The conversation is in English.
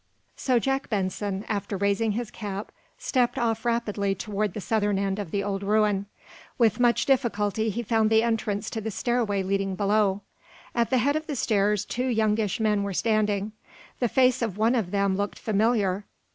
So Jack Benson, after raising his cap, stepped off rapidly toward the southern end of the old ruin. With much difficulty he found the entrance to the stairway leading below. At the head of the stairs two youngish men were standing. The face of one of them looked familiar.